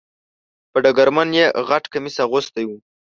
په ډګرمن یې غټ کمیس اغوستی و .